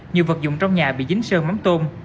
nhiều vật dụng trong nhà bị dính sơn mắm tôm